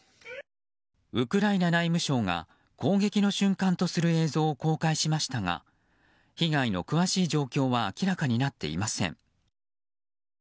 ウクライナ内務省が攻撃の瞬間とする映像を公開しましたが被害の詳しい状況は明らかになっていません。